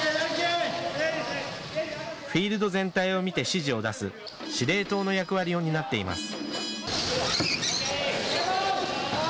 フィールド全体を見て指示を出す司令塔の役割を担っています。